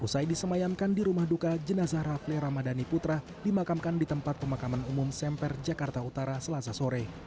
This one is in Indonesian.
usai disemayamkan di rumah duka jenazah raffle ramadhani putra dimakamkan di tempat pemakaman umum semper jakarta utara selasa sore